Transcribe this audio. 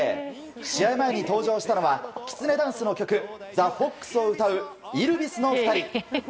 試合前に登場したのはきつねダンスの曲「ＴｈｅＦｏｘ」を歌うＹｌｖｉｓの２人。